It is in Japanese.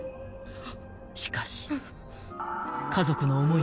［しかし］［家族の思い